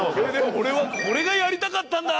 俺はこれがやりたかったんだ！